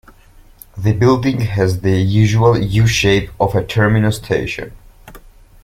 The building has the usual U-shape of a terminus station.